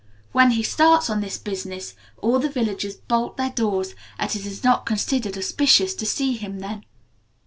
When he starts on this business, all the villagers bolt their doors, as it is not considered auspicious to see him then.